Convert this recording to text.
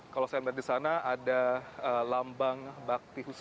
kalau saya lihat di sana ada lambang bakti husadah